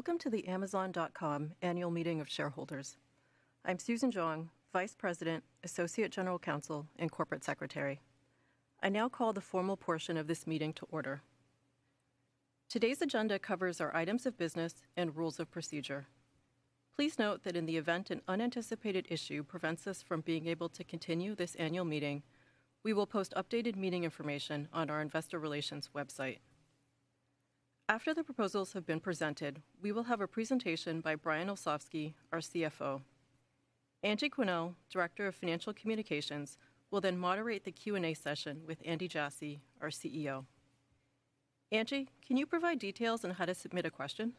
Welcome to the Amazon.com annual meeting of shareholders. I'm Susan Xiong, Vice President, Associate General Counsel, and Corporate Secretary. I now call the formal portion of this meeting to order. Today's agenda covers our items of business and rules of procedure. Please note that in the event an unanticipated issue prevents us from being able to continue this annual meeting, we will post updated meeting information on our investor relations website. After the proposals have been presented, we will have a presentation by Brian Olsavsky, our CFO. Angie Quennell, Director of Financial Communications, will then moderate the Q&A session with Andy Jassy, our CEO. Angie, can you provide details on how to submit a question?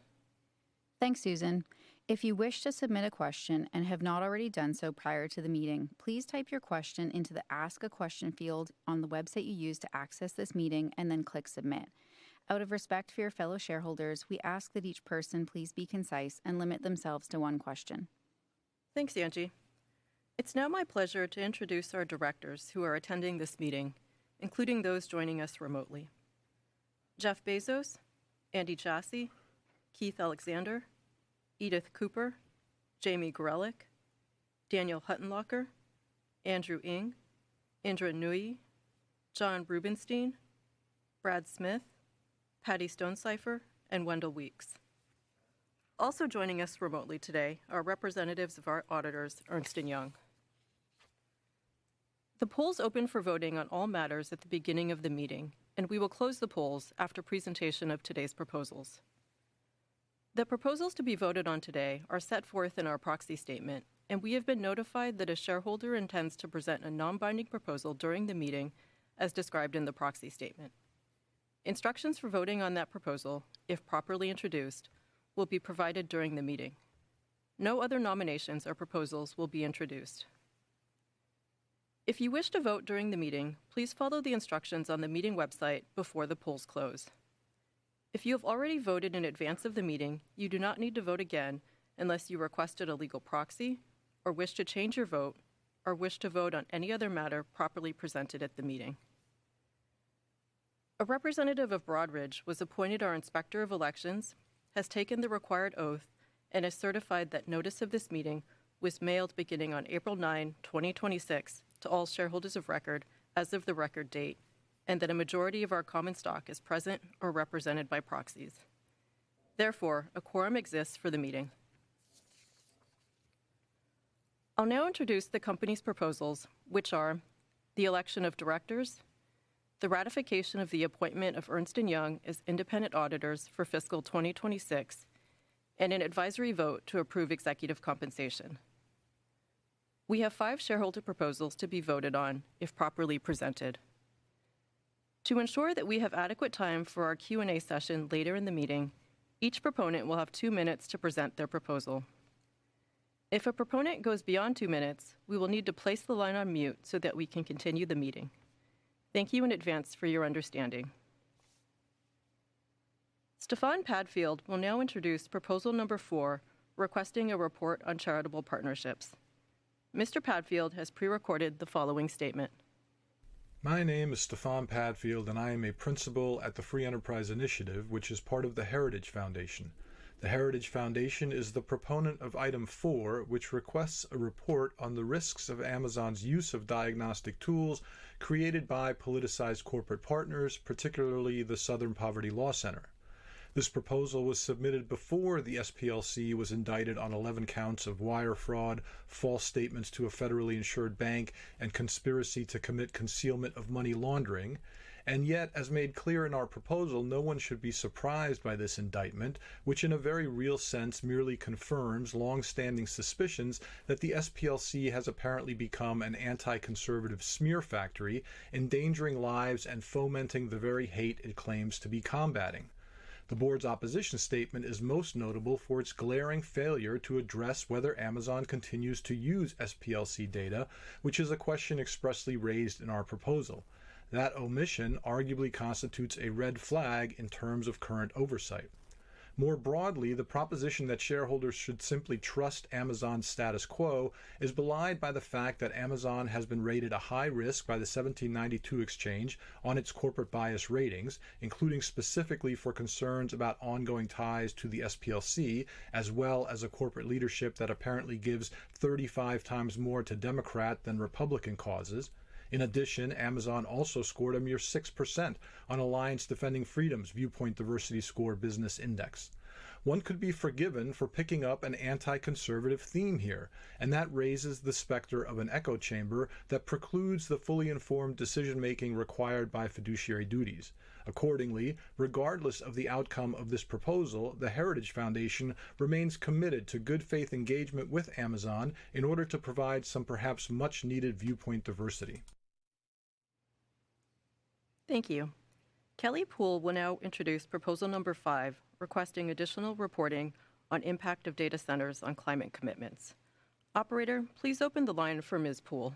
Thanks, Susan. If you wish to submit a question and have not already done so prior to the meeting, please type your question into the Ask a Question field on the website you used to access this meeting, and then click Submit. Out of respect for your fellow shareholders, we ask that each person please be concise and limit themselves to one question. Thanks, Angie. It's now my pleasure to introduce our directors who are attending this meeting, including those joining us remotely. Jeff Bezos, Andy Jassy, Keith Alexander, Edith Cooper, Jamie Gorelick, Daniel Huttenlocher, Andrew Y. Ng, Indra K. Nooyi, Jonathan J. Rubinstein, Brad D. Smith, Patty Stonesifer, and Wendell P. Weeks. Also joining us remotely today are representatives of our auditors, Ernst & Young. The polls open for voting on all matters at the beginning of the meeting, and we will close the polls after presentation of today's proposals. The proposals to be voted on today are set forth in our proxy statement, and we have been notified that a shareholder intends to present a non-binding proposal during the meeting as described in the proxy statement. Instructions for voting on that proposal, if properly introduced, will be provided during the meeting. No other nominations or proposals will be introduced. If you wish to vote during the meeting, please follow the instructions on the meeting website before the polls close. If you have already voted in advance of the meeting, you do not need to vote again unless you requested a legal proxy, or wish to change your vote, or wish to vote on any other matter properly presented at the meeting. A representative of Broadridge was appointed our Inspector of Elections, has taken the required oath, and has certified that notice of this meeting was mailed beginning on April 9, 2026 to all shareholders of record as of the record date, and that a majority of our common stock is present or represented by proxies. Therefore, a quorum exists for the meeting. I'll now introduce the company's proposals, which are the election of directors, the ratification of the appointment of Ernst & Young as independent auditors for fiscal 2026, and an advisory vote to approve executive compensation. We have five shareholder proposals to be voted on if properly presented. To ensure that we have adequate time for our Q&A session later in the meeting, each proponent will have two minutes to present their proposal. If a proponent goes beyond two minutes, we will need to place the line on mute so that we can continue the meeting. Thank you in advance for your understanding. Stefan Padfield will now introduce proposal number four, requesting a report on charitable partnerships. Mr. Padfield has pre-recorded the following statement. My name is Stefan Padfield. I am a principal at the Free Enterprise Initiative, which is part of The Heritage Foundation. The Heritage Foundation is the proponent of item 4, which requests a report on the risks of Amazon's use of diagnostic tools created by politicized corporate partners, particularly the Southern Poverty Law Center. This proposal was submitted before the SPLC was indicted on 11 counts of wire fraud, false statements to a federally insured bank, and conspiracy to commit concealment of money laundering. Yet, as made clear in our proposal, no one should be surprised by this indictment, which in a very real sense merely confirms longstanding suspicions that the SPLC has apparently become an anti-conservative smear factory, endangering lives and fomenting the very hate it claims to be combating. The board's opposition statement is most notable for its glaring failure to address whether Amazon continues to use SPLC data, which is a question expressly raised in our proposal. That omission arguably constitutes a red flag in terms of current oversight. More broadly, the proposition that shareholders should simply trust Amazon's status quo is belied by the fact that Amazon has been rated a high risk by the 1792 Exchange on its corporate bias ratings, including specifically for concerns about ongoing ties to the SPLC, as well as a corporate leadership that apparently gives 35 times more to Democrat than Republican causes. Amazon also scored a mere 6% on Alliance Defending Freedom's Viewpoint Diversity Score Business Index. One could be forgiven for picking up an anti-conservative theme here, and that raises the specter of an echo chamber that precludes the fully informed decision-making required by fiduciary duties. Accordingly, regardless of the outcome of this proposal, The Heritage Foundation remains committed to good faith engagement with Amazon in order to provide some perhaps much needed viewpoint diversity. Thank you. Kelly Poole will now introduce proposal number five, requesting additional reporting on impact of data centers on climate commitments. Operator, please open the line for Ms. Poole.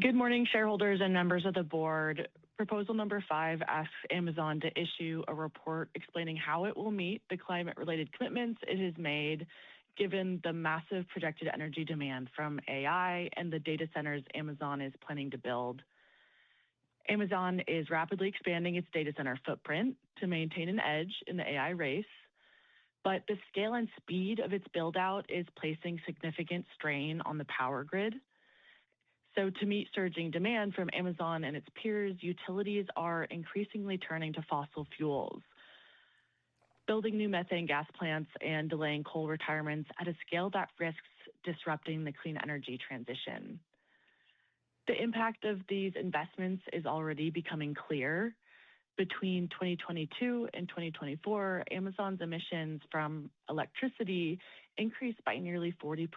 Good morning, shareholders and members of the board. Proposal number 5 asks Amazon to issue a report explaining how it will meet the climate-related commitments it has made, given the massive projected energy demand from AI and the data centers Amazon is planning to build. Amazon is rapidly expanding its data center footprint to maintain an edge in the AI race. The scale and speed of its build-out is placing significant strain on the power grid. To meet surging demand from Amazon and its peers, utilities are increasingly turning to fossil fuels, building new methane gas plants and delaying coal retirements at a scale that risks disrupting the clean energy transition. The impact of these investments is already becoming clear. Between 2022 and 2024, Amazon's emissions from electricity increased by nearly 40%,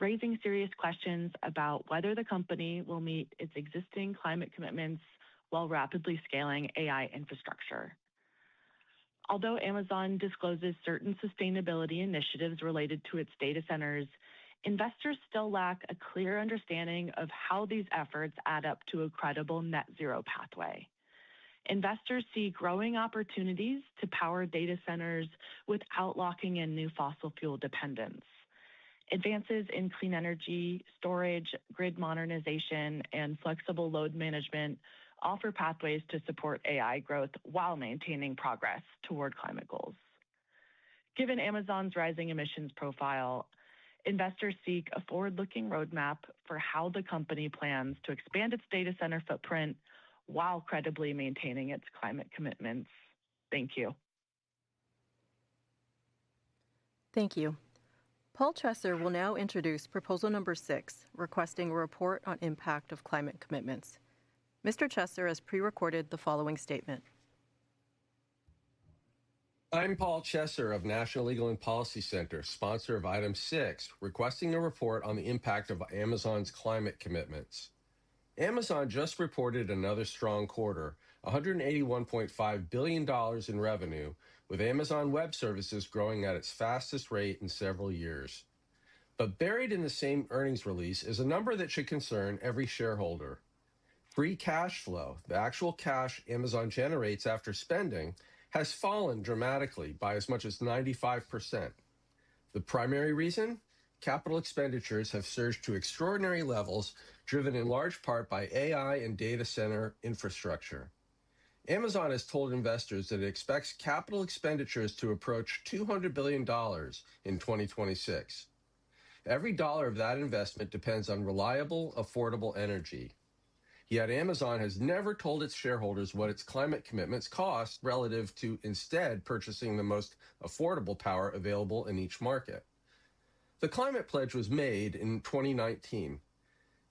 raising serious questions about whether the company will meet its existing climate commitments while rapidly scaling AI infrastructure. Although Amazon discloses certain sustainability initiatives related to its data centers, investors still lack a clear understanding of how these efforts add up to a credible net zero pathway. Investors see growing opportunities to power data centers without locking in new fossil fuel dependence. Advances in clean energy storage, grid modernization, and flexible load management offer pathways to support AI growth while maintaining progress toward climate goals. Given Amazon's rising emissions profile, investors seek a forward-looking roadmap for how the company plans to expand its data center footprint while credibly maintaining its climate commitments. Thank you. Thank you. Paul Chesser will now introduce proposal number 6, requesting a report on impact of climate commitments. Mr. Chesser has pre-recorded the following statement. I'm Paul Chesser of National Legal and Policy Center, sponsor of item 6, requesting a report on the impact of Amazon's climate commitments. Amazon just reported another strong quarter, $181.5 billion in revenue, with Amazon Web Services growing at its fastest rate in several years. Buried in the same earnings release is a number that should concern every shareholder. Free cash flow, the actual cash Amazon generates after spending, has fallen dramatically by as much as 95%. The primary reason? Capital expenditures have surged to extraordinary levels, driven in large part by AI and data center infrastructure. Amazon has told investors that it expects capital expenditures to approach $200 billion in 2026. Every dollar of that investment depends on reliable, affordable energy. Amazon has never told its shareholders what its climate commitments cost relative to instead purchasing the most affordable power available in each market. The Climate Pledge was made in 2019.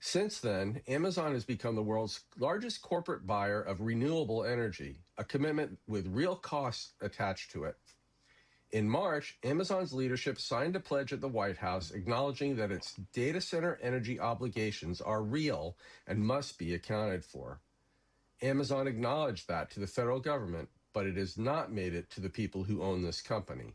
Since then, Amazon has become the world's largest corporate buyer of renewable energy, a commitment with real costs attached to it. In March, Amazon's leadership signed a pledge at the White House acknowledging that its data center energy obligations are real and must be accounted for. Amazon acknowledged that to the federal government, but it has not made it to the people who own this company.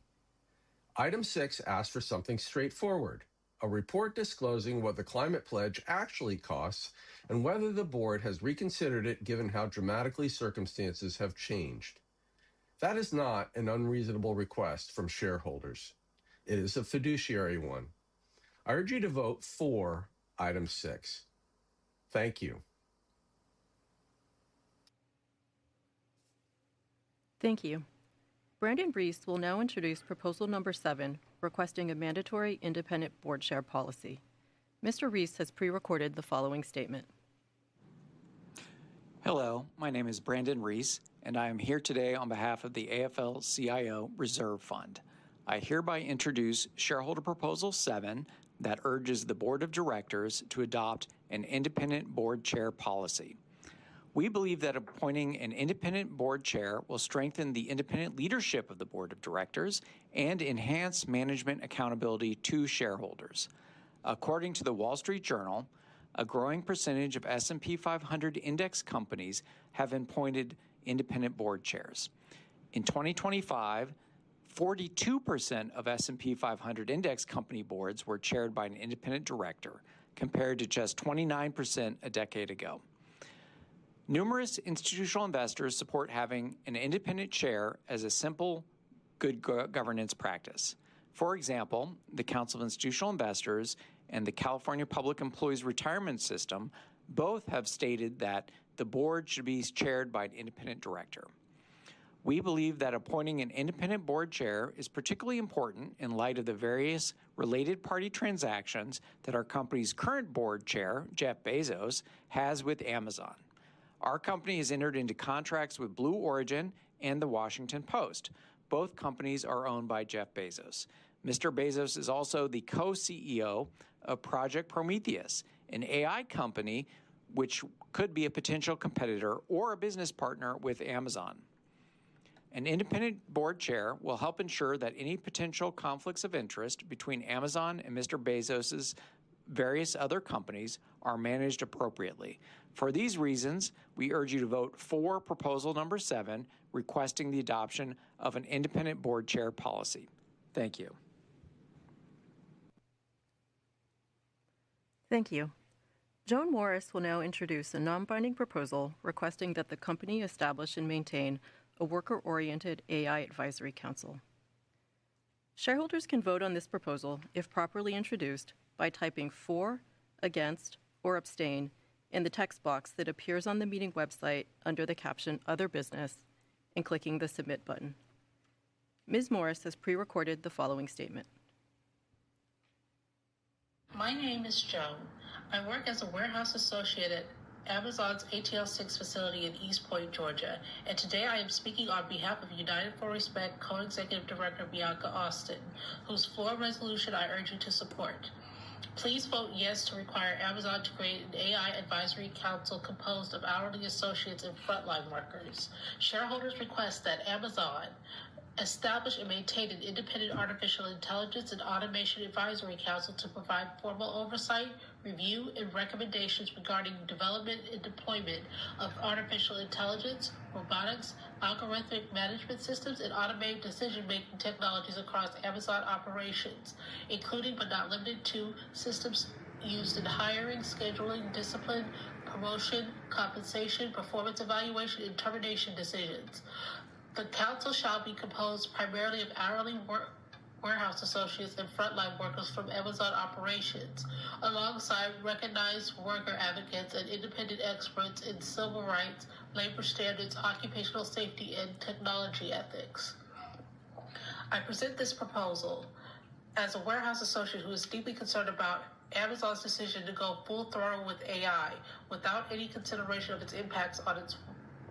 Item 6 asks for something straightforward, a report disclosing what The Climate Pledge actually costs and whether the board has reconsidered it given how dramatically circumstances have changed. That is not an unreasonable request from shareholders. It is a fiduciary one. I urge you to vote for item 6. Thank you. Thank you. Brandon Rees will now introduce proposal number 7, requesting a mandatory independent board chair policy. Mr. Rees has pre-recorded the following statement. Hello, my name is Brandon Rees, and I am here today on behalf of the AFL-CIO Reserve Fund. I hereby introduce shareholder proposal 7 that urges the board of directors to adopt an independent board chair policy. We believe that appointing an independent board chair will strengthen the independent leadership of the board of directors and enhance management accountability to shareholders. According to The Wall Street Journal, a growing percentage of S&P 500 index companies have appointed independent board chairs. In 2025, 42% of S&P 500 index company boards were chaired by an independent director, compared to just 29% a decade ago. Numerous institutional investors support having an independent chair as a simple, good governance practice. For example, the Council of Institutional Investors and the California Public Employees' Retirement System both have stated that the board should be chaired by an independent director. We believe that appointing an independent board chair is particularly important in light of the various related party transactions that our company's current board chair, Jeff Bezos, has with Amazon. Our company has entered into contracts with Blue Origin and The Washington Post. Both companies are owned by Jeff Bezos. Mr. Bezos is also the co-CEO of Project Prometheus, an AI company which could be a potential competitor or a business partner with Amazon. An independent board chair will help ensure that any potential conflicts of interest between Amazon and Mr. Bezos's various other companies are managed appropriately. For these reasons, we urge you to vote for proposal number 7, requesting the adoption of an independent board chair policy. Thank you. Thank you. Joan Morris will now introduce a non-binding proposal requesting that the company establish and maintain a worker-oriented AI advisory council. Shareholders can vote on this proposal if properly introduced by typing for, against, or abstain in the text box that appears on the meeting website under the caption Other Business and clicking the Submit Button. Ms. Morris has pre-recorded the following statement. My name is Joan. I work as a warehouse associate at Amazon's ATL6 facility in East Point, Georgia, and today I am speaking on behalf of United for Respect co-executive director Bianca Agustin, whose floor resolution I urge you to support. Please vote yes to require Amazon to create an AI advisory council composed of hourly associates and frontline workers. Shareholders request that Amazon establish and maintain an independent artificial intelligence and automation advisory council to provide formal oversight, review, and recommendations regarding development and deployment of artificial intelligence, robotics, algorithmic management systems, and automated decision-making technologies across Amazon operations, including but not limited to systems used in hiring, scheduling, discipline, promotion, compensation, performance evaluation, and termination decisions. The council shall be composed primarily of hourly warehouse associates and frontline workers from Amazon operations, alongside recognized worker advocates and independent experts in civil rights, labor standards, occupational safety, and technology ethics. I present this proposal as a warehouse associate who is deeply concerned about Amazon's decision to go full throttle with AI without any consideration of its impacts on its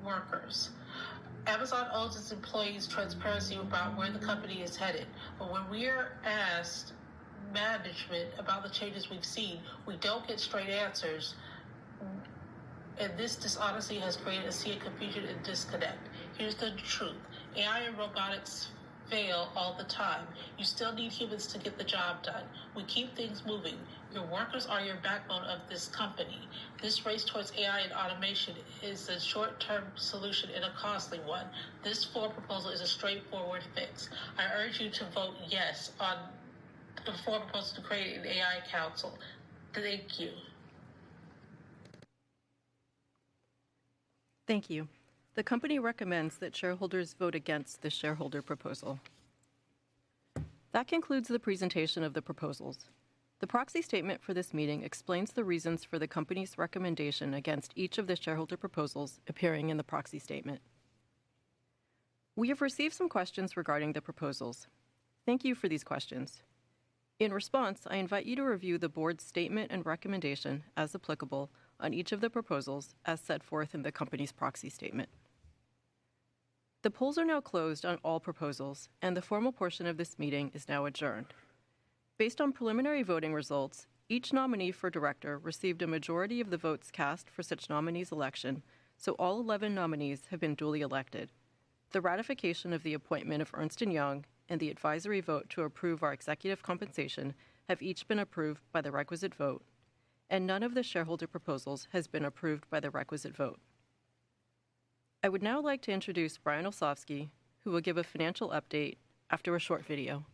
workers. Amazon owes its employees transparency about where the company is headed. When we ask management about the changes we've seen, we don't get straight answers, and this dishonesty has created a sea of confusion and disconnect. Here's the truth. AI and robotics fail all the time. You still need humans to get the job done. We keep things moving. Your workers are your backbone of this company. This race towards AI and automation is a short-term solution and a costly one. This floor proposal is a straightforward fix. I urge you to vote yes on the floor proposal to create an AI council. Thank you. Thank you. The company recommends that shareholders vote against the shareholder proposal. That concludes the presentation of the proposals. The proxy statement for this meeting explains the reasons for the company's recommendation against each of the shareholder proposals appearing in the proxy statement. We have received some questions regarding the proposals. Thank you for these questions. In response, I invite you to review the board's statement and recommendation as applicable on each of the proposals as set forth in the company's proxy statement. The polls are now closed on all proposals, and the formal portion of this meeting is now adjourned. Based on preliminary voting results, each nominee for director received a majority of the votes cast for such nominee's election, so all 11 nominees have been duly elected. The ratification of the appointment of Ernst & Young and the advisory vote to approve our executive compensation have each been approved by the requisite vote. None of the shareholder proposals has been approved by the requisite vote. I would now like to introduce Brian Olsavsky, who will give a financial update after a short video.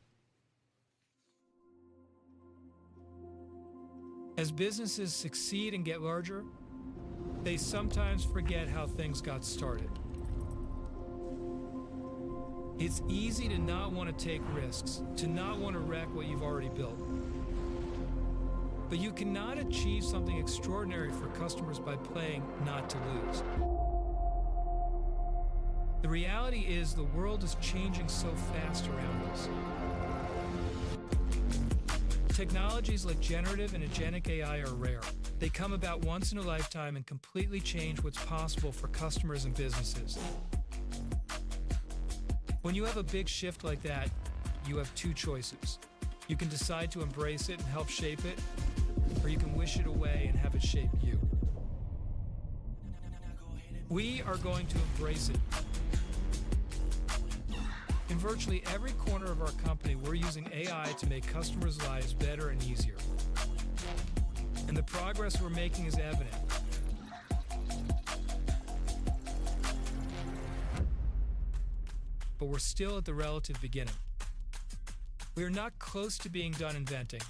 As businesses succeed and get larger, they sometimes forget how things got started. It's easy to not want to take risks, to not want to wreck what you've already built. You cannot achieve something extraordinary for customers by playing not to lose. The reality is the world is changing so fast around us. Technologies like generative and agentic AI are rare. They come about once in a lifetime and completely change what's possible for customers and businesses. When you have a big shift like that, you have 2 choices. You can decide to embrace it and help shape it, or you can wish it away and have it shape you. We are going to embrace it. In virtually every corner of our company, we're using AI to make customers' lives better and easier. The progress we're making is evident. We're still at the relative beginning. We are not close to being done inventing.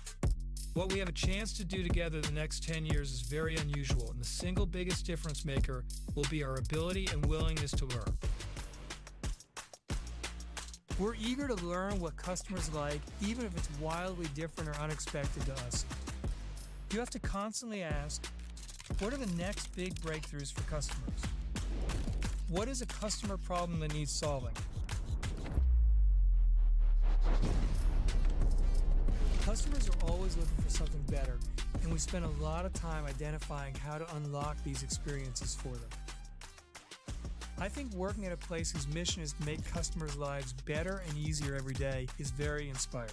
What we have a chance to do together the next 10 years is very unusual, and the single biggest difference maker will be our ability and willingness to learn. We're eager to learn what customers like, even if it's wildly different or unexpected to us. You have to constantly ask, what are the next big breakthroughs for customers? What is a customer problem that needs solving? Customers are always looking for something better, and we spend a lot of time identifying how to unlock these experiences for them. I think working at a place whose mission is to make customers' lives better and easier every day is very inspiring.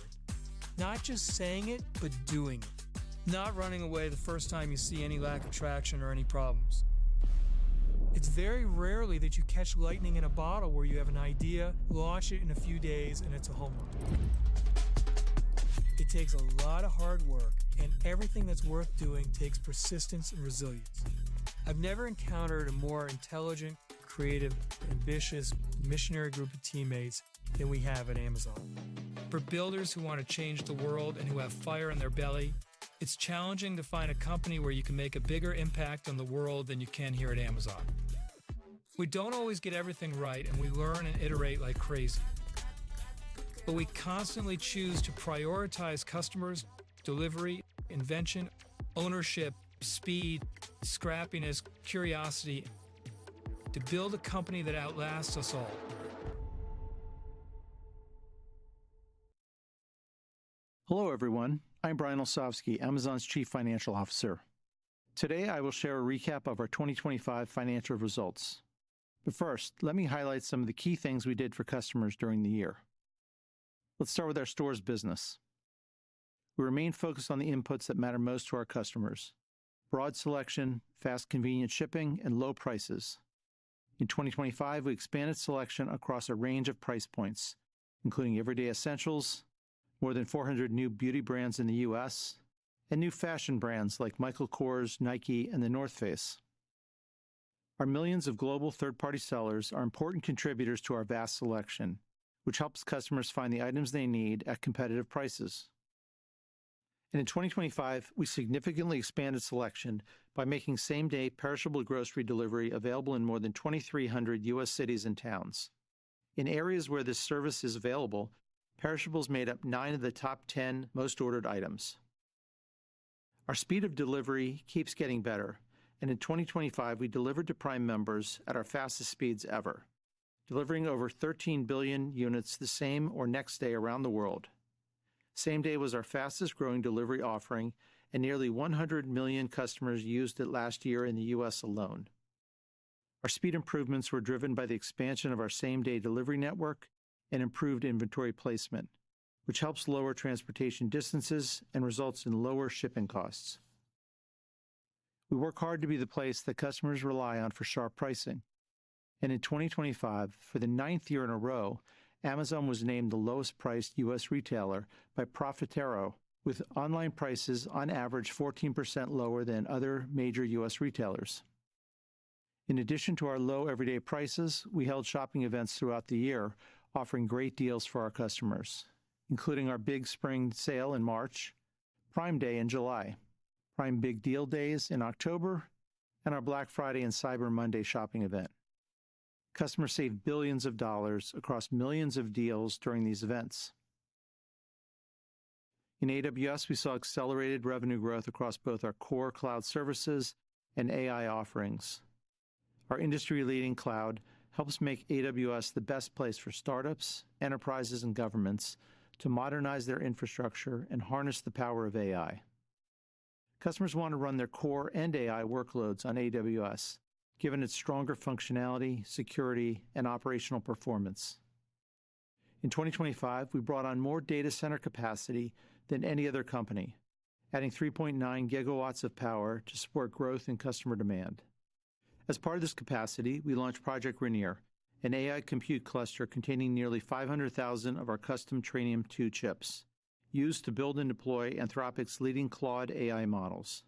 Not just saying it, but doing it. Not running away the first time you see any lack of traction or any problems. It's very rarely that you catch lightning in a bottle where you have an idea, launch it in a few days, and it's a home run. It takes a lot of hard work, and everything that's worth doing takes persistence and resilience. I've never encountered a more intelligent, creative, ambitious, missionary group of teammates than we have at Amazon. For builders who want to change the world and who have fire in their belly, it's challenging to find a company where you can make a bigger impact on the world than you can here at Amazon. We don't always get everything right, and we learn and iterate like crazy. We constantly choose to prioritize customers, delivery, invention, ownership, speed, scrappiness, curiosity, to build a company that outlasts us all. Hello, everyone. I'm Brian Olsavsky, Amazon's chief financial officer. Today, I will share a recap of our 2025 financial results. First, let me highlight some of the key things we did for customers during the year. Let's start with our stores business. We remain focused on the inputs that matter most to our customers: broad selection, fast, convenient shipping, and low prices. In 2025, we expanded selection across a range of price points, including everyday essentials, more than 400 new beauty brands in the U.S., and new fashion brands like Michael Kors, Nike, and The North Face. Our millions of global third-party sellers are important contributors to our vast selection, which helps customers find the items they need at competitive prices. In 2025, we significantly expanded selection by making same-day perishable grocery delivery available in more than 2,300 U.S. cities and towns. In areas where this service is available, perishables made up 9 of the top 10 most ordered items. Our speed of delivery keeps getting better, and in 2025, we delivered to Prime members at our fastest speeds ever, delivering over 13 billion units the same or next day around the world. Same-day was our fastest growing delivery offering, and nearly 100 million customers used it last year in the U.S. alone. Our speed improvements were driven by the expansion of our same-day delivery network and improved inventory placement, which helps lower transportation distances and results in lower shipping costs. We work hard to be the place that customers rely on for sharp pricing. In 2025, for the 9th year in a row, Amazon was named the lowest priced U.S. retailer by Profitero, with online prices on average 14% lower than other major U.S. retailers. In addition to our low everyday prices, we held shopping events throughout the year offering great deals for our customers, including our Big Spring Sale in March, Prime Day in July, Prime Big Deal Days in October, and our Black Friday and Cyber Monday shopping event. Customers saved billions of dollars across millions of deals during these events. In AWS, we saw accelerated revenue growth across both our core cloud services and AI offerings. Our industry-leading cloud helps make AWS the best place for startups, enterprises, and governments to modernize their infrastructure and harness the power of AI. Customers want to run their core and AI workloads on AWS, given its stronger functionality, security, and operational performance. In 2025, we brought on more data center capacity than any other company, adding 3.9 GW of power to support growth and customer demand. As part of this capacity, we launched Project Rainier, an AI compute cluster containing nearly 500,000 of our custom Trainium2 chips, used to build and deploy Anthropic's leading Claude AI models.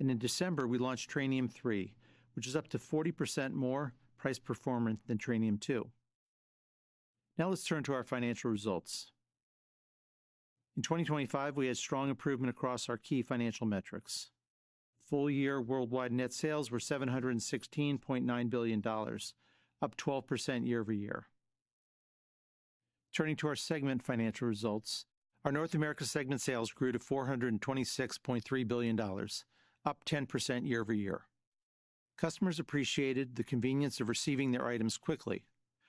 In December, we launched Trainium3, which is up to 40% more price performant than Trainium2. Now let's turn to our financial results. In 2025, we had strong improvement across our key financial metrics. Full-year worldwide net sales were $716.9 billion, up 12% year-over-year. Turning to our segment financial results, our North America segment sales grew to $426.3 billion, up 10% year-over-year. Customers appreciated the convenience of receiving their items quickly,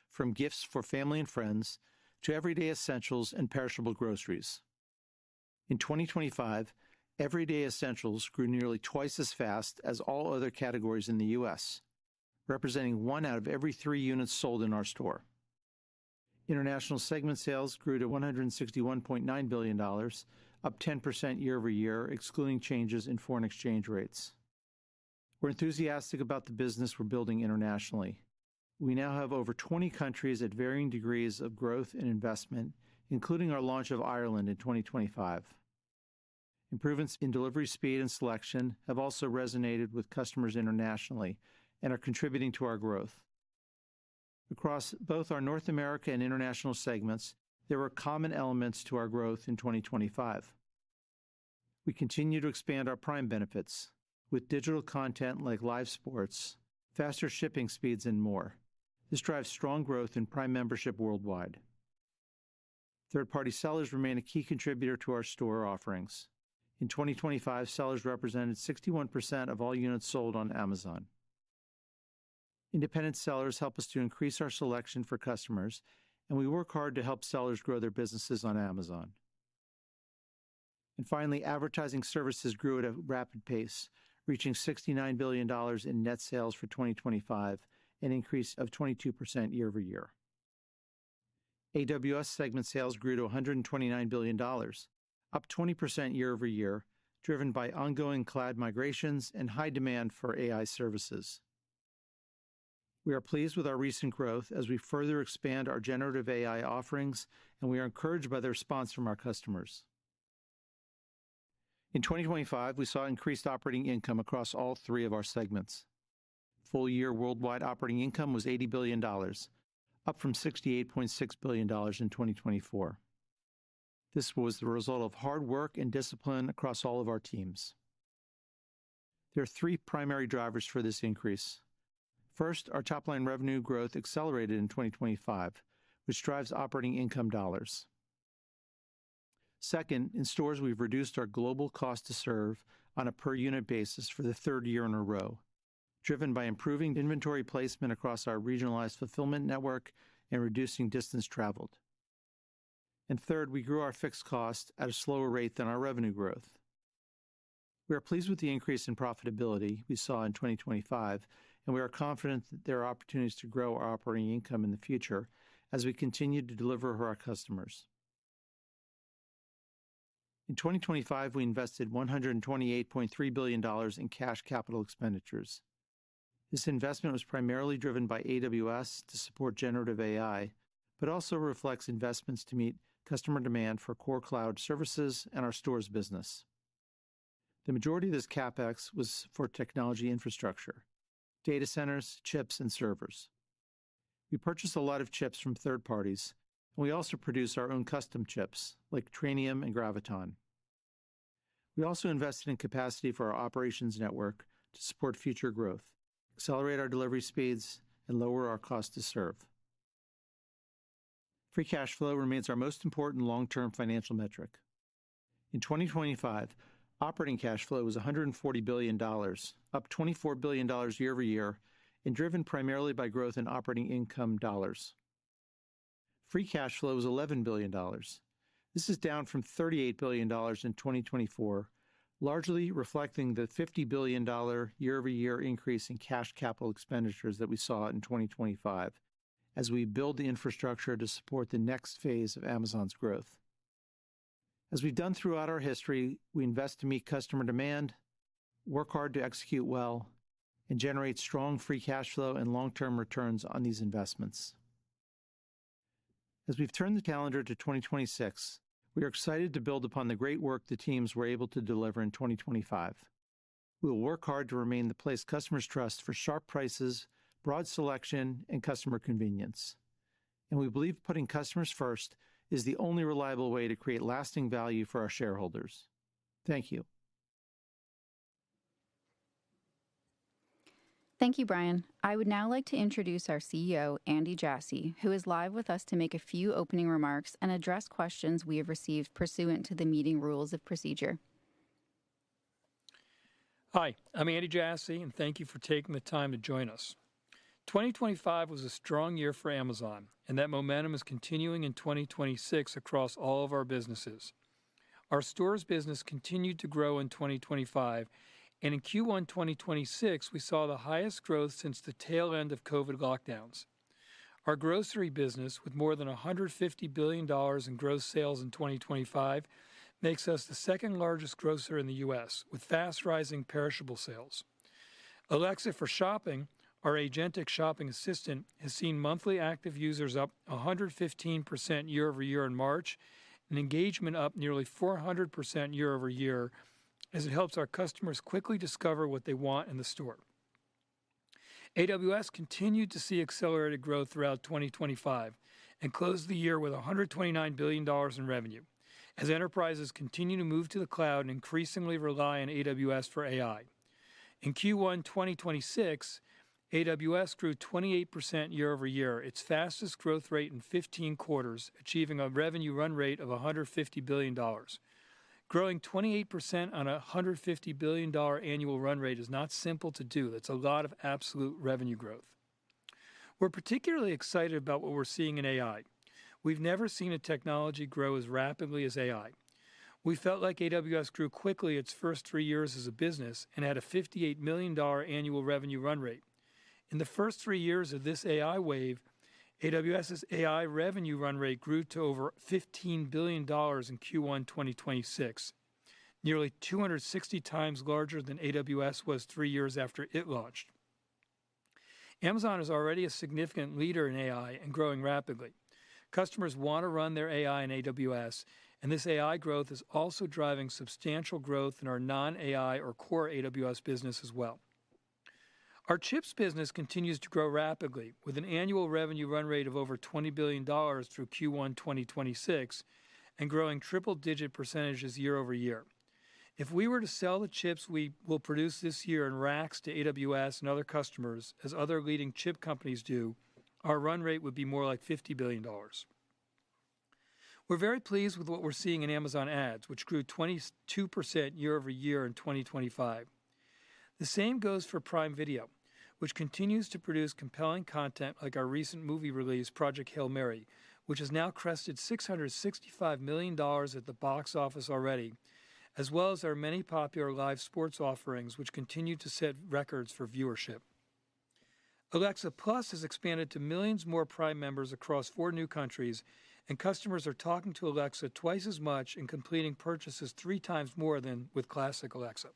from gifts for family and friends to everyday essentials and perishable groceries. In 2025, everyday essentials grew nearly twice as fast as all other categories in the U.S., representing one out of every three units sold in our store. International Segment sales grew to $161.9 billion, up 10% year-over-year, excluding changes in foreign exchange rates. We're enthusiastic about the business we're building internationally. We now have over 20 countries at varying degrees of growth and investment, including our launch of Ireland in 2025. Improvements in delivery speed and selection have also resonated with customers internationally and are contributing to our growth. Across both our North America and International Segments, there were common elements to our growth in 2025. We continue to expand our Prime benefits with digital content like live sports, faster shipping speeds, and more. This drives strong growth in Prime membership worldwide. Third-party sellers remain a key contributor to our store offerings. In 2025, sellers represented 61% of all units sold on Amazon. Independent sellers help us to increase our selection for customers. We work hard to help sellers grow their businesses on Amazon. Finally, advertising services grew at a rapid pace, reaching $69 billion in net sales for 2025, an increase of 22% year-over-year. AWS segment sales grew to $129 billion, up 20% year-over-year, driven by ongoing cloud migrations and high demand for AI services. We are pleased with our recent growth as we further expand our generative AI offerings, and we are encouraged by the response from our customers. In 2025, we saw increased operating income across all three of our segments. Full-year worldwide operating income was $80 billion, up from $68.6 billion in 2024. This was the result of hard work and discipline across all of our teams. There are three primary drivers for this increase. First, our top-line revenue growth accelerated in 2025, which drives operating income dollars. Second, in Stores, we've reduced our global cost to serve on a per-unit basis for the 3rd year in a row, driven by improving inventory placement across our regionalized fulfillment network and reducing distance traveled. Third, we grew our fixed cost at a slower rate than our revenue growth. We are pleased with the increase in profitability we saw in 2025, and we are confident that there are opportunities to grow our operating income in the future as we continue to deliver for our customers. In 2025, we invested $128.3 billion in cash capital expenditures. This investment was primarily driven by AWS to support generative AI, but also reflects investments to meet customer demand for core cloud services and our Stores business. The majority of this CapEx was for technology infrastructure, data centers, chips, and servers. We purchase a lot of chips from third parties, and we also produce our own custom chips, like Trainium and Graviton. We also invested in capacity for our operations network to support future growth, accelerate our delivery speeds, and lower our cost to serve. Free cash flow remains our most important long-term financial metric. In 2025, operating cash flow was $140 billion, up $24 billion year-over-year, and driven primarily by growth in operating income dollars. Free cash flow was $11 billion. This is down from $38 billion in 2024, largely reflecting the $50 billion year-over-year increase in cash capital expenditures that we saw in 2025, as we build the infrastructure to support the next phase of Amazon's growth. As we've done throughout our history, we invest to meet customer demand, work hard to execute well, and generate strong free cash flow and long-term returns on these investments. As we've turned the calendar to 2026, we are excited to build upon the great work the teams were able to deliver in 2025. We will work hard to remain the place customers trust for sharp prices, broad selection, and customer convenience. We believe putting customers first is the only reliable way to create lasting value for our shareholders. Thank you. Thank you, Brian. I would now like to introduce our CEO, Andy Jassy, who is live with us to make a few opening remarks and address questions we have received pursuant to the meeting rules of procedure. Hi, I'm Andy Jassy, and thank you for taking the time to join us. 2025 was a strong year for Amazon, and that momentum is continuing in 2026 across all of our businesses. Our Stores business continued to grow in 2025, and in Q1 2026, we saw the highest growth since the tail end of COVID lockdowns. Our grocery business, with more than $150 billion in gross sales in 2025, makes us the second largest grocer in the U.S., with fast-rising perishable sales. Alexa for Shopping, our agentic shopping assistant, has seen monthly active users up 115% year-over-year in March, and engagement up nearly 400% year-over-year as it helps our customers quickly discover what they want in the store. AWS continued to see accelerated growth throughout 2025 and closed the year with $129 billion in revenue. As enterprises continue to move to the cloud and increasingly rely on AWS for AI. In Q1 2026, AWS grew 28% year-over-year, its fastest growth rate in 15 quarters, achieving a revenue run rate of $150 billion. Growing 28% on $150 billion annual run rate is not simple to do. That's a lot of absolute revenue growth. We're particularly excited about what we're seeing in AI. We've never seen a technology grow as rapidly as AI. We felt like AWS grew quickly its first three years as a business and had a $58 million annual revenue run rate. In the first three years of this AI wave, AWS' AI revenue run rate grew to over $15 billion in Q1 2026, nearly 260 times larger than AWS was three years after it launched. Amazon is already a significant leader in AI and growing rapidly. Customers want to run their AI in AWS, and this AI growth is also driving substantial growth in our non-AI or core AWS business as well. Our chips business continues to grow rapidly, with an annual revenue run rate of $20 billion through Q1 2026 and growing triple-digit percentages year-over-year. If we were to sell the chips we will produce this year in racks to AWS and other customers, as other leading chip companies do, our run rate would be $50 billion. We're very pleased with what we're seeing in Amazon Ads, which grew 22% year-over-year in 2025. The same goes for Prime Video, which continues to produce compelling content like our recent movie release, "Project Hail Mary," which has now crested $665 million at the box office already, as well as our many popular live sports offerings, which continue to set records for viewership. Alexa+ has expanded to millions more Prime members across 4 new countries, and customers are talking to Alexa twice as much and completing purchases 3 times more than with classic Alexa.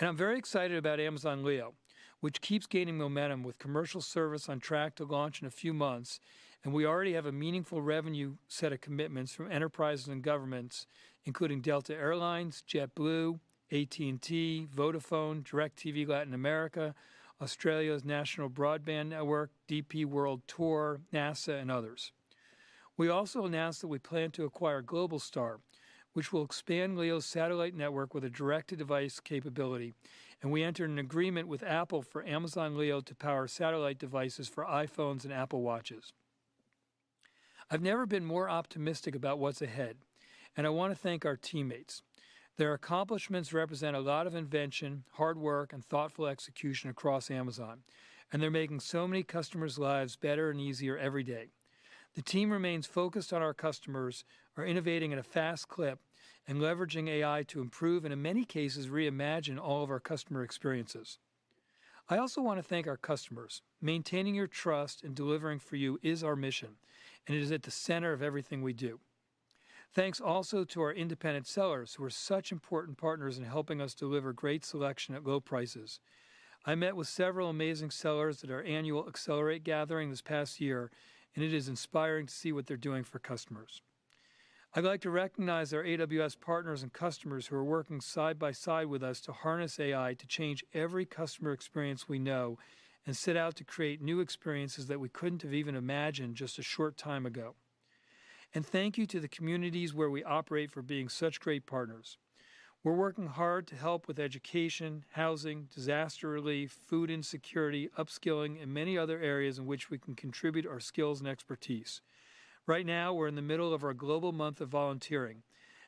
I'm very excited about Amazon LEO, which keeps gaining momentum with commercial service on track to launch in a few months, and we already have a meaningful revenue set of commitments from enterprises and governments, including Delta Air Lines, JetBlue, AT&T, Vodafone, DIRECTV Latin America, Australia's National Broadband Network, DP World Tour, NASA, and others. We also announced that we plan to acquire Globalstar, which will expand Leo's satellite network with a direct-to-device capability. We entered an agreement with Apple for Amazon LEO to power satellite devices for iPhones and Apple Watches. I've never been more optimistic about what's ahead, and I want to thank our teammates. Their accomplishments represent a lot of invention, hard work, and thoughtful execution across Amazon, and they're making so many customers' lives better and easier every day. The team remains focused on our customers, are innovating at a fast clip, and leveraging AI to improve, and in many cases, reimagine all of our customer experiences. I also want to thank our customers. Maintaining your trust and delivering for you is our mission, and it is at the center of everything we do. Thanks also to our independent sellers, who are such important partners in helping us deliver great selection at low prices. I met with several amazing sellers at our annual Accelerate gathering this past year. It is inspiring to see what they're doing for customers. I'd like to recognize our AWS partners and customers who are working side by side with us to harness AI to change every customer experience we know and set out to create new experiences that we couldn't have even imagined just a short time ago. Thank you to the communities where we operate for being such great partners. We're working hard to help with education, housing, disaster relief, food insecurity, upskilling, and many other areas in which we can contribute our skills and expertise. Right now, we're in the middle of our global month of volunteering,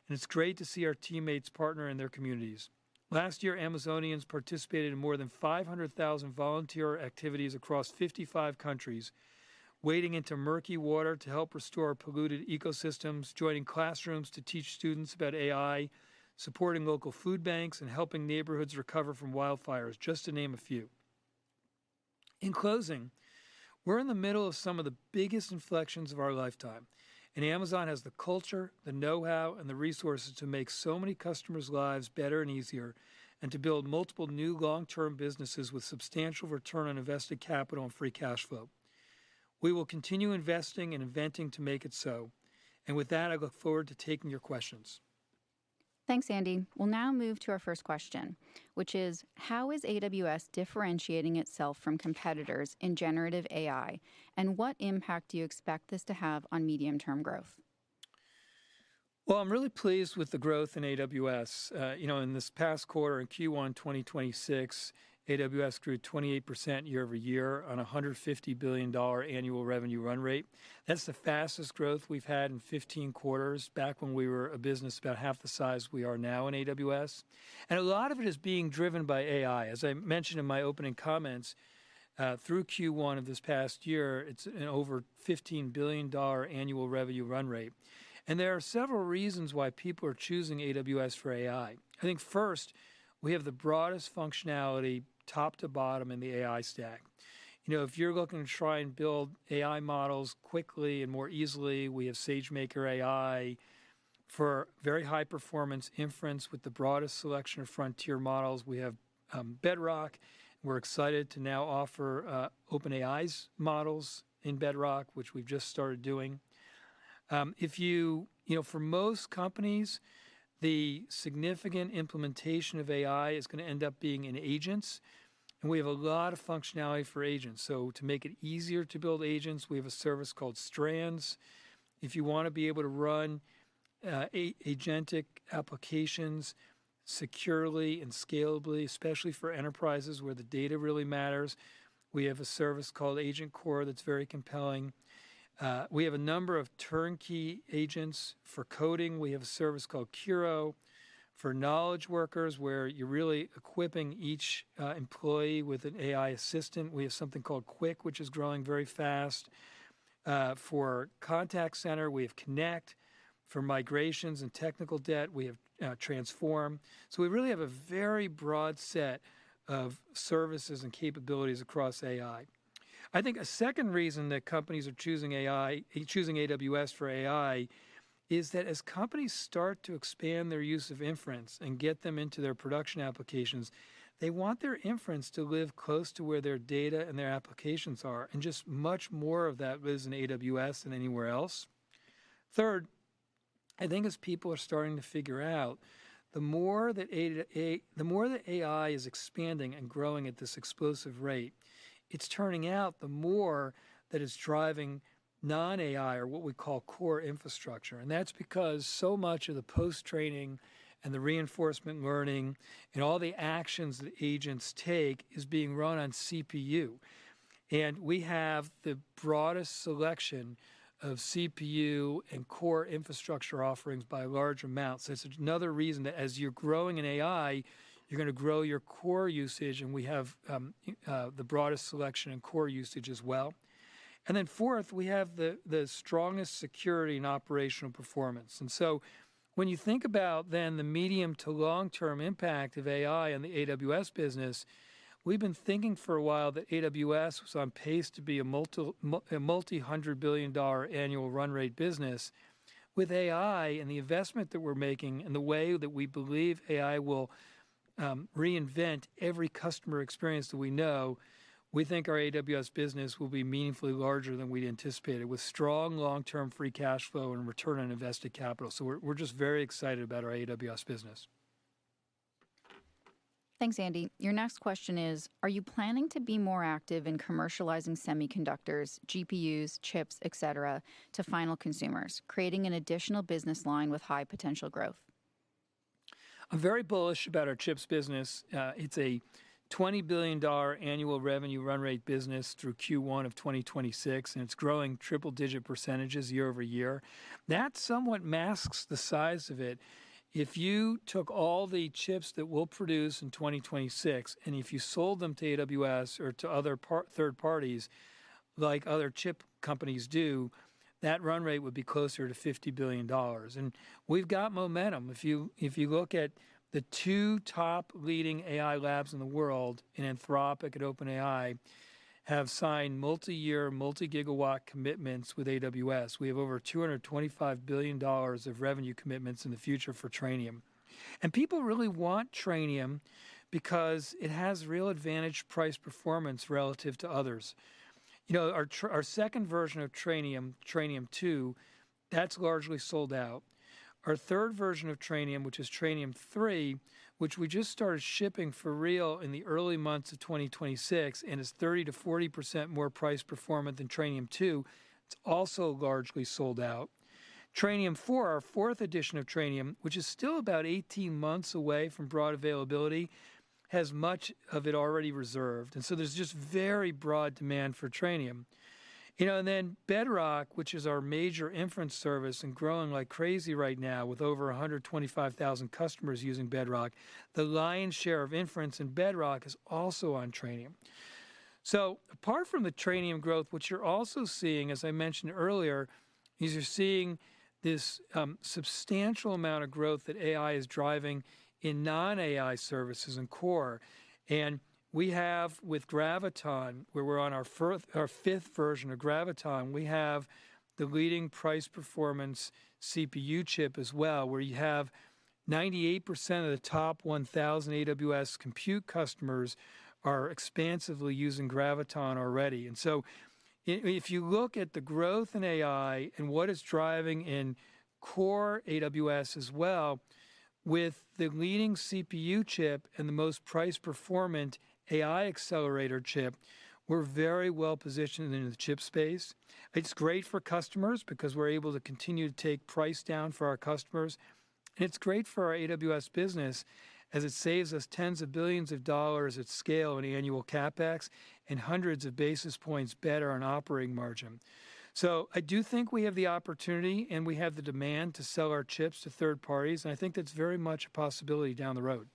and it's great to see our teammates partner in their communities. Last year, Amazonians participated in more than 500,000 volunteer activities across 55 countries, wading into murky water to help restore polluted ecosystems, joining classrooms to teach students about AI, supporting local food banks, and helping neighborhoods recover from wildfires, just to name a few. In closing, we're in the middle of some of the biggest inflections of our lifetime, and Amazon has the culture, the know-how, and the resources to make so many customers' lives better and easier and to build multiple new long-term businesses with substantial return on invested capital and free cash flow. We will continue investing and inventing to make it so. With that, I look forward to taking your questions. Thanks, Andy. We'll now move to our first question, which is: how is AWS differentiating itself from competitors in generative AI, and what impact do you expect this to have on medium-term growth? Well, I'm really pleased with the growth in AWS. In this past quarter, in Q1 2026, AWS grew 28% year-over-year on $150 billion annual revenue run rate. That's the fastest growth we've had in 15 quarters, back when we were a business about half the size we are now in AWS. A lot of it is being driven by AI. As I mentioned in my opening comments, through Q1 of this past year, it's an over $15 billion annual revenue run rate. There are several reasons why people are choosing AWS for AI. I think first, we have the broadest functionality top to bottom in the AI stack. If you're looking to try and build AI models quickly and more easily, we have SageMaker AI. For very high-performance inference with the broadest selection of frontier models, we have Bedrock. We're excited to now offer OpenAI's models in Bedrock, which we've just started doing. For most companies, the significant implementation of AI is going to end up being in agents. We have a lot of functionality for agents. To make it easier to build agents, we have a service called Strands. If you want to be able to run agentic applications securely and scalably, especially for enterprises where the data really matters, we have a service called Agent Core that's very compelling. We have a number of turnkey agents for coding. We have a service called Kiro for knowledge workers, where you're really equipping each employee with an AI assistant. We have something called Quick, which is growing very fast. For contact center, we have Connect. For migrations and technical debt, we have Transform. We really have a very broad set of services and capabilities across AI. I think a second reason that companies are choosing AWS for AI is that as companies start to expand their use of inference and get them into their production applications, they want their inference to live close to where their data and their applications are, and just much more of that lives in AWS than anywhere else. Third, I think as people are starting to figure out, the more that AI is expanding and growing at this explosive rate, it's turning out the more that it's driving non-AI, or what we call core infrastructure. That's because so much of the post-training and the reinforcement learning and all the actions that agents take is being run on CPU. We have the broadest selection of CPU and core infrastructure offerings by large amounts. That's another reason that as you're growing in AI, you're going to grow your core usage, and we have the broadest selection in core usage as well. Fourth, we have the strongest security and operational performance. When you think about then the medium to long-term impact of AI on the AWS business, we've been thinking for a while that AWS was on pace to be a multi-hundred billion dollar annual run rate business. With AI and the investment that we're making and the way that we believe AI will reinvent every customer experience that we know, we think our AWS business will be meaningfully larger than we'd anticipated, with strong long-term free cash flow and return on invested capital. We're just very excited about our AWS business. Thanks, Andy. Your next question is: Are you planning to be more active in commercializing semiconductors, GPUs, chips, et cetera, to final consumers, creating an additional business line with high potential growth? I'm very bullish about our chips business. It's a $20 billion annual revenue run rate business through Q1 of 2026, it's growing triple-digit percentages year-over-year. That somewhat masks the size of it. If you took all the chips that we'll produce in 2026, if you sold them to AWS or to other third parties, like other chip companies do, that run rate would be closer to $50 billion. We've got momentum. If you look at the two top leading AI labs in the world, Anthropic and OpenAI, have signed multi-year, multi-gigawatt commitments with AWS. We have over $225 billion of revenue commitments in the future for Trainium. People really want Trainium because it has real advantage price performance relative to others. Our second version of Trainium, Trainium2, that's largely sold out. Our third version of Trainium, which is Trainium3, which we just started shipping for real in the early months of 2026, and is 30%-40% more price performant than Trainium2, it's also largely sold out. Trainium4, our fourth edition of Trainium, which is still about 18 months away from broad availability, has much of it already reserved. There's just very broad demand for Trainium. Then Bedrock, which is our major inference service and growing like crazy right now, with over 125,000 customers using Bedrock. The lion's share of inference in Bedrock is also on Trainium. Apart from the Trainium growth, what you're also seeing, as I mentioned earlier, is you're seeing this substantial amount of growth that AI is driving in non-AI services and core. We have with Graviton, where we're on our fifth version of Graviton, we have the leading price performance CPU chip as well, where you have 98% of the top 1,000 AWS compute customers are expansively using Graviton already. If you look at the growth in AI and what it's driving in core AWS as well, with the leading CPU chip and the most price performant AI accelerator chip, we're very well positioned in the chip space. It's great for customers because we're able to continue to take price down for our customers. It's great for our AWS business as it saves us tens of billions of dollars at scale in annual CapEx and hundreds of basis points better on operating margin. I do think we have the opportunity and we have the demand to sell our chips to third parties, and I think that's very much a possibility down the road.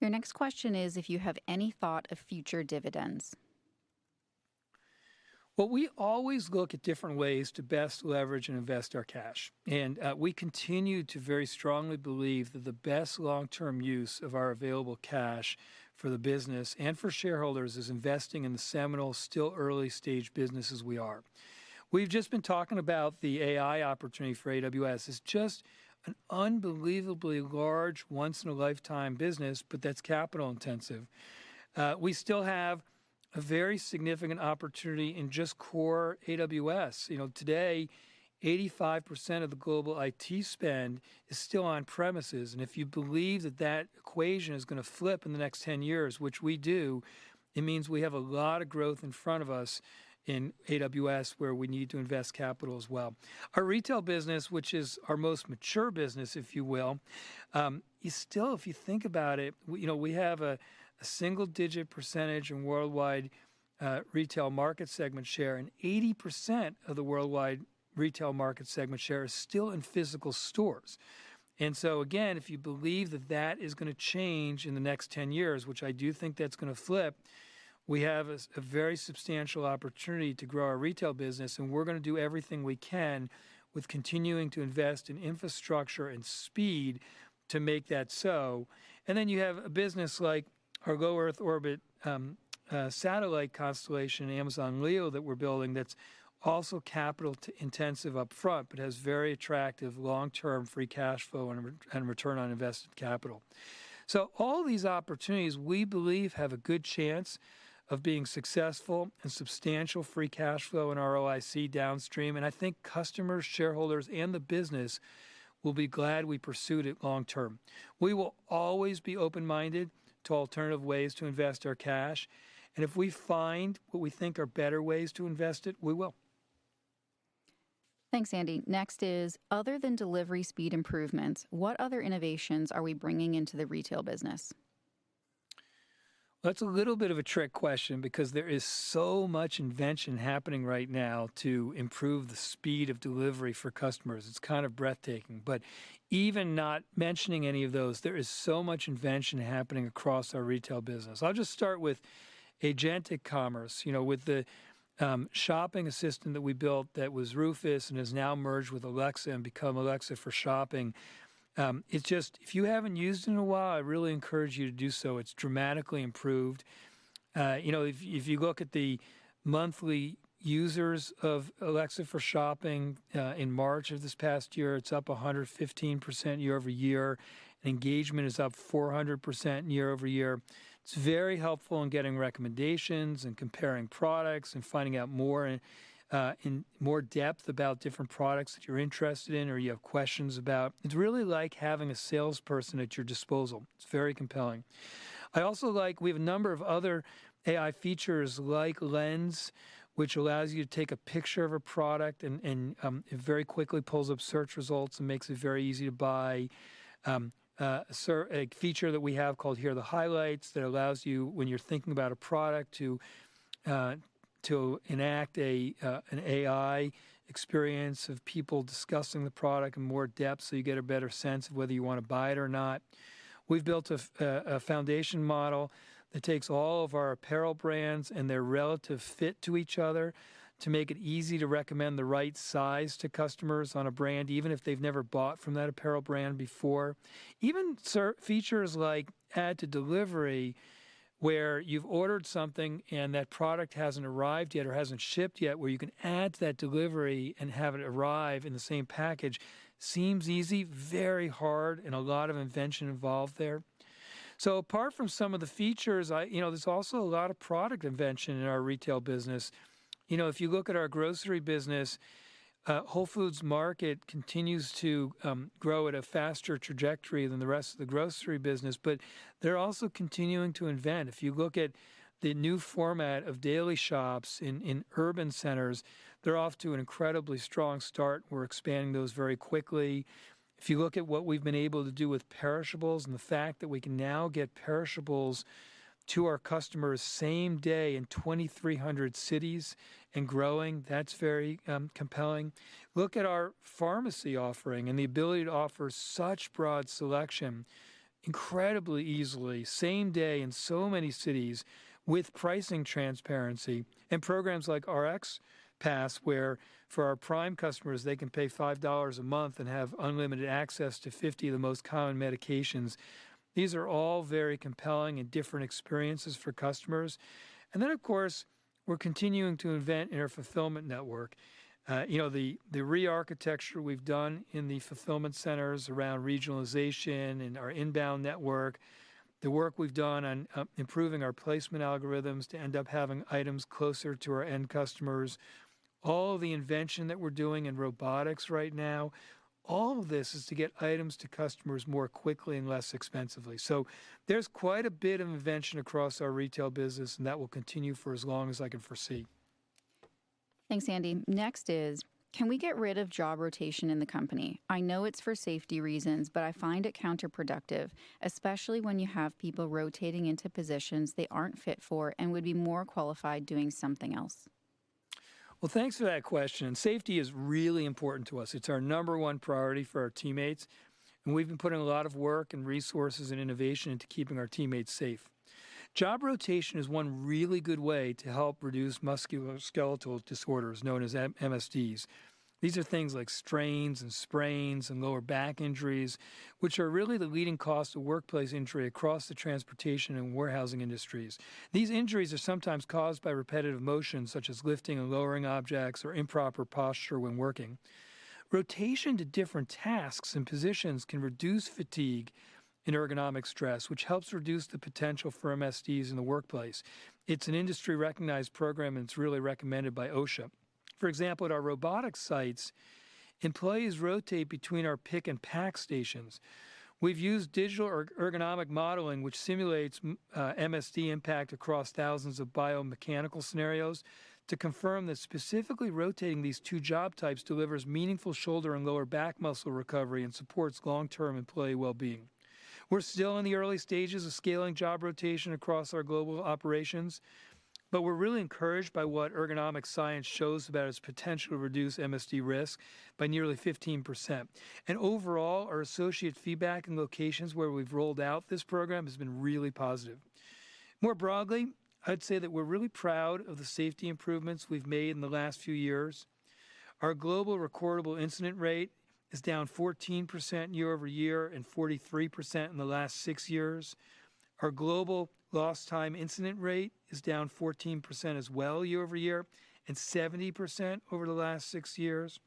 Your next question is if you have any thought of future dividends? Well, we always look at different ways to best leverage and invest our cash. We continue to very strongly believe that the best long-term use of our available cash for the business and for shareholders is investing in the seminal, still early-stage business as we are. We've just been talking about the AI opportunity for AWS. It's just an unbelievably large, once in a lifetime business, but that's capital intensive. We still have a very significant opportunity in just core AWS. Today, 85% of the global IT spend is still on premises, and if you believe that that equation is going to flip in the next 10 years, which we do, it means we have a lot of growth in front of us in AWS, where we need to invest capital as well. Our retail business, which is our most mature business if you will, still if you think about it, we have a single-digit percentage in worldwide retail market segment share, and 80% of the worldwide retail market segment share is still in physical stores. Again, if you believe that that is going to change in the next 10 years, which I do think that's going to flip, we have a very substantial opportunity to grow our retail business, and we're going to do everything we can with continuing to invest in infrastructure and speed to make that so. Then you have a business like our low Earth orbit satellite constellation, Amazon LEO, that we're building that's also capital intensive upfront, but has very attractive long-term free cash flow and return on invested capital. All these opportunities, we believe, have a good chance of being successful and substantial free cash flow in our ROIC downstream, and I think customers, shareholders, and the business will be glad we pursued it long term. We will always be open-minded to alternative ways to invest our cash, and if we find what we think are better ways to invest it, we will. Thanks, Andy. Next is, other than delivery speed improvements, what other innovations are we bringing into the retail business? That's a little bit of a trick question because there is so much invention happening right now to improve the speed of delivery for customers. It's kind of breathtaking. Even not mentioning any of those, there is so much invention happening across our retail business. I'll just start with agentic commerce, with the shopping assistant that we built that was Rufus and has now merged with Alexa and become Alexa for Shopping. If you haven't used it in a while, I really encourage you to do so. It's dramatically improved. If you look at the monthly users of Alexa for Shopping in March of this past year, it's up 115% year-over-year. Engagement is up 400% year-over-year. It's very helpful in getting recommendations and comparing products and finding out more in more depth about different products that you're interested in or you have questions about. It's really like having a salesperson at your disposal. It's very compelling. I also like we have a number of other AI features like Lens, which allows you to take a picture of a product, and it very quickly pulls up search results and makes it very easy to buy. A feature that we have called Hear the Highlights that allows you, when you're thinking about a product, to enact an AI experience of people discussing the product in more depth so you get a better sense of whether you want to buy it or not. We've built a foundation model that takes all of our apparel brands and their relative fit to each other to make it easy to recommend the right size to customers on a brand, even if they've never bought from that apparel brand before. Even features like Add to Delivery, where you've ordered something and that product hasn't arrived yet or hasn't shipped yet, where you can add to that delivery and have it arrive in the same package. Seems easy, very hard. A lot of invention involved there. Apart from some of the features, there's also a lot of product invention in our retail business. If you look at our grocery business, Whole Foods Market continues to grow at a faster trajectory than the rest of the grocery business. They're also continuing to invent. If you look at the new format of Daily Shops in urban centers, they're off to an incredibly strong start. We're expanding those very quickly. If you look at what we've been able to do with perishables, and the fact that we can now get perishables to our customers same day in 2,300 cities and growing, that's very compelling. Look at our pharmacy offering and the ability to offer such broad selection incredibly easily, same day in so many cities with pricing transparency. Programs like RxPass, where for our Prime customers, they can pay $5 a month and have unlimited access to 50 of the most common medications. These are all very compelling and different experiences for customers. Of course, we're continuing to invent in our fulfillment network. The re-architecture we've done in the fulfillment centers around regionalization and our inbound network, the work we've done on improving our placement algorithms to end up having items closer to our end customers, all of the invention that we're doing in robotics right now, all of this is to get items to customers more quickly and less expensively. There's quite a bit of invention across our retail business, and that will continue for as long as I can foresee. Thanks, Andy. Next is, "Can we get rid of job rotation in the company? I know it's for safety reasons, but I find it counterproductive, especially when you have people rotating into positions they aren't fit for and would be more qualified doing something else. Thanks for that question. Safety is really important to us. It's our number 1 priority for our teammates, and we've been putting a lot of work and resources and innovation into keeping our teammates safe. Job rotation is 1 really good way to help reduce musculoskeletal disorders, known as MSDs. These are things like strains and sprains and lower back injuries, which are really the leading cause of workplace injury across the transportation and warehousing industries. These injuries are sometimes caused by repetitive motions, such as lifting and lowering objects or improper posture when working. Rotation to different tasks and positions can reduce fatigue and ergonomic stress, which helps reduce the potential for MSDs in the workplace. It's an industry-recognized program, and it's really recommended by OSHA. For example, at our robotics sites, employees rotate between our pick and pack stations. We've used digital ergonomic modeling, which simulates MSD impact across thousands of biomechanical scenarios, to confirm that specifically rotating these 2 job types delivers meaningful shoulder and lower back muscle recovery and supports long-term employee well-being. We're still in the early stages of scaling job rotation across our global operations, we're really encouraged by what ergonomic science shows about its potential to reduce MSD risk by nearly 15%. Overall, our associate feedback in locations where we've rolled out this program has been really positive. More broadly, I'd say that we're really proud of the safety improvements we've made in the last few years. Our global recordable incident rate is down 14% year-over-year and 43% in the last 6 years. Our global lost time incident rate is down 14% as well year-over-year and 70% over the last 6 years.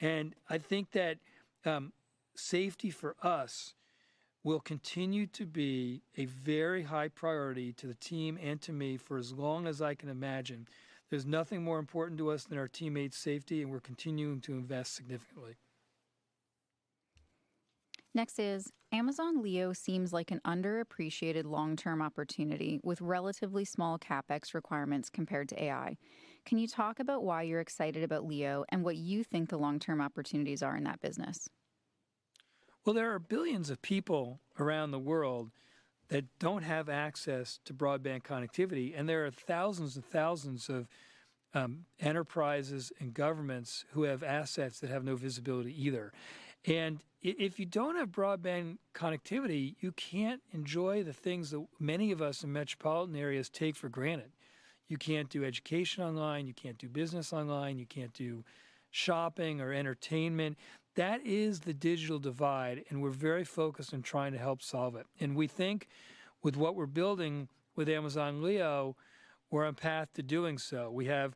I think that safety for us will continue to be a very high priority to the team and to me for as long as I can imagine. There's nothing more important to us than our teammates' safety, and we're continuing to invest significantly. Next is, "Amazon LEO seems like an underappreciated long-term opportunity with relatively small CapEx requirements compared to AI. Can you talk about why you're excited about Leo and what you think the long-term opportunities are in that business? Well, there are billions of people around the world that don't have access to broadband connectivity, and there are thousands and thousands of enterprises and governments who have assets that have no visibility either. If you don't have broadband connectivity, you can't enjoy the things that many of us in metropolitan areas take for granted. You can't do education online. You can't do business online. You can't do shopping or entertainment. That is the digital divide, and we're very focused on trying to help solve it. We think with what we're building with Amazon LEO, we're on path to doing so. We have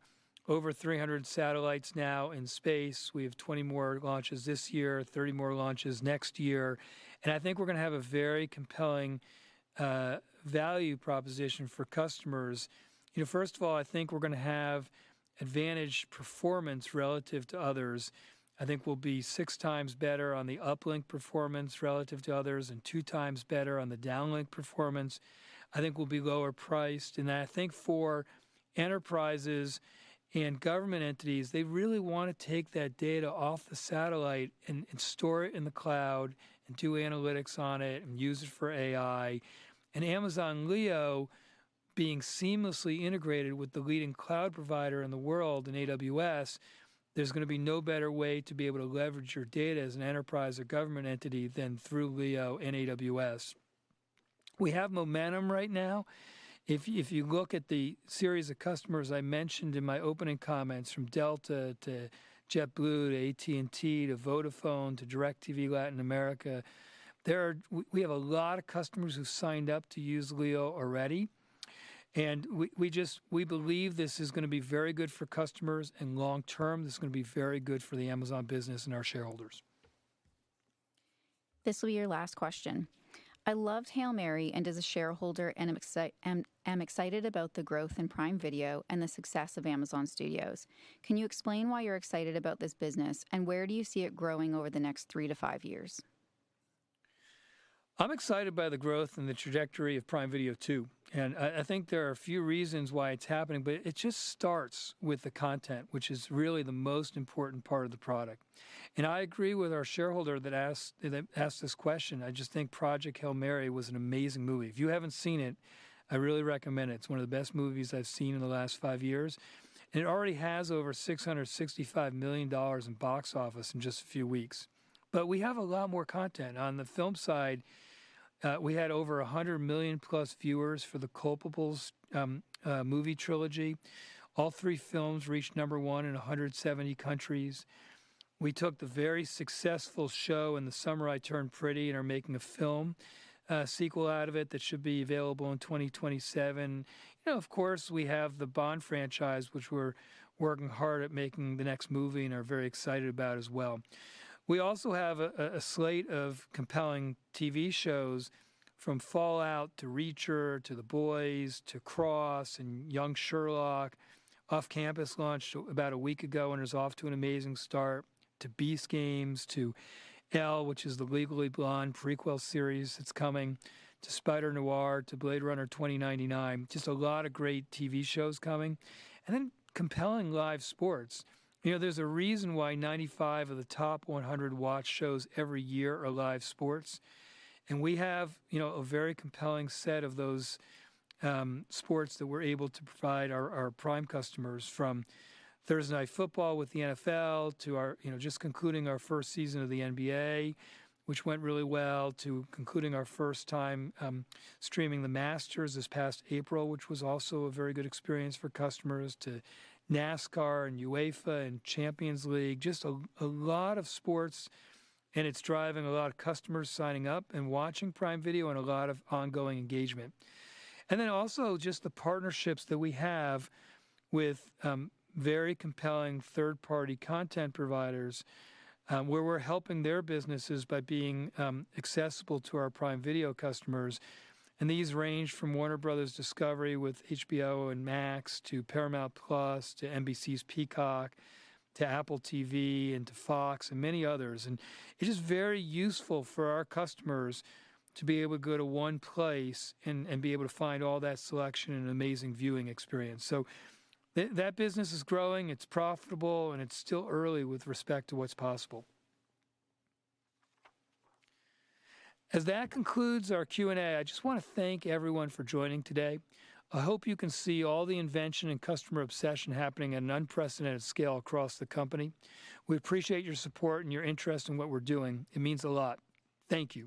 over 300 satellites now in space. We have 20 more launches this year, 30 more launches next year, and I think we're going to have a very compelling value proposition for customers. First of all, I think we're going to have advantage performance relative to others. I think we'll be 6 times better on the uplink performance relative to others, and 2 times better on the downlink performance. I think we'll be lower priced. I think for enterprises and government entities, they really want to take that data off the satellite and store it in the cloud and do analytics on it and use it for AI. Amazon LEO being seamlessly integrated with the leading cloud provider in the world in AWS, there's going to be no better way to be able to leverage your data as an enterprise or government entity than through Leo and AWS. We have momentum right now. If you look at the series of customers I mentioned in my opening comments, from Delta to JetBlue, to AT&T, to Vodafone, to DIRECTV Latin America, we have a lot of customers who've signed up to use Leo already. We believe this is going to be very good for customers, and long term, this is going to be very good for the Amazon business and our shareholders. This will be your last question. I loved Hail Mary and as a shareholder am excited about the growth in Prime Video and the success of Amazon Studios. Can you explain why you're excited about this business, and where do you see it growing over the next 3 to 5 years? I'm excited by the growth and the trajectory of Prime Video too. I think there are a few reasons why it's happening, but it just starts with the content, which is really the most important part of the product. I agree with our shareholder that asked this question. I just think Project Hail Mary was an amazing movie. If you haven't seen it, I really recommend it. It's one of the best movies I've seen in the last five years. It already has over $665 million in box office in just a few weeks. We have a lot more content. On the film side, we had over 100 million plus viewers for the Culpables movie trilogy. All three films reached number 1 in 170 countries. We took the very successful show The Summer I Turned Pretty, and are making a film, a sequel out of it that should be available in 2027. Of course, we have the Bond franchise, which we're working hard at making the next movie and are very excited about as well. We also have a slate of compelling TV shows from Fallout to Reacher, to The Boys, to Cross, and Young Sherlock. Off Campus launched about a week ago and is off to an amazing start, to Beast Games, to Elle, which is the Legally Blonde prequel series that's coming, to Spider-Noir, to Blade Runner 2099. Just a lot of great TV shows coming. Compelling live sports. There's a reason why 95 of the top 100 watched shows every year are live sports. We have a very compelling set of those sports that we are able to provide our Prime customers from Thursday Night Football with the NFL to just concluding our first season of the NBA, which went really well, to concluding our first time streaming the Masters this past April, which was also a very good experience for customers, to NASCAR and UEFA and Champions League. Just a lot of sports, and it is driving a lot of customers signing up and watching Prime Video and a lot of ongoing engagement. Then also just the partnerships that we have with very compelling third-party content providers, where we are helping their businesses by being accessible to our Prime Video customers. These range from Warner Bros. Discovery with HBO and Max, to Paramount+, to NBC's Peacock, to Apple TV, and to Fox, and many others. It is very useful for our customers to be able to go to 1 place and be able to find all that selection and an amazing viewing experience. That business is growing, it's profitable, and it's still early with respect to what's possible. As that concludes our Q&A, I just want to thank everyone for joining today. I hope you can see all the invention and customer obsession happening at an unprecedented scale across the company. We appreciate your support and your interest in what we're doing. It means a lot. Thank you.